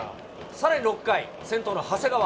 さらに６回、先頭の長谷川。